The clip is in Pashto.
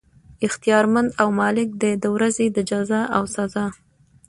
اختيار مند او مالک دی د ورځي د جزاء او سزاء